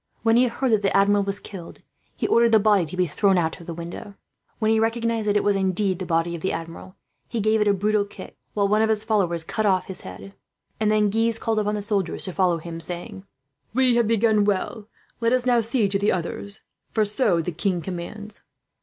When he heard that the Admiral was killed, he ordered the body to be thrown out of the window. When he recognized that it was indeed the body of the Admiral, he gave it a brutal kick, while one of his followers cut off the head; and then Guise called upon the soldiers to follow him, saying: "We have begun well. Let us now see to the others, for so the king commands."